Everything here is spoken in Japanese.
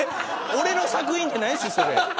俺の作品じゃないですよそれ。